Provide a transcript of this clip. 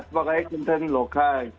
sebagai konten lokal